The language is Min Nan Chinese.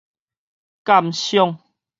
鑑賞